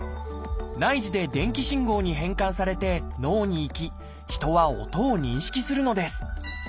内耳で電気信号に変換されて脳に行き人は音を認識するのです。